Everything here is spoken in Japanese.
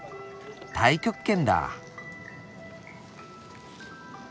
太極拳だあ。